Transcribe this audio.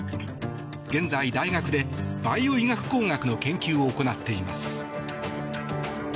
現在、大学でバイオ医学工学の研究を行っています。